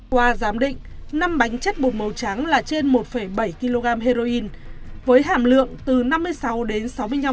qua giám định năm bánh chất bột màu trắng là trên một bảy kg heroin với hàm lượng từ năm mươi sáu đến sáu mươi năm